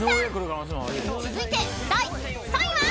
［続いて第３位は？］